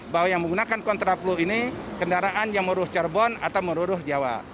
bahwa yang menggunakan kontraplu ini kendaraan yang menurut cerbon atau menurut jawa